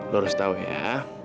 lu harus tau ya